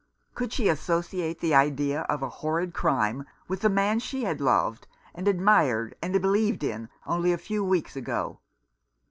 Could she associate the idea of a horrid crime with the man she had loved and admired and believed in only a few weeks ago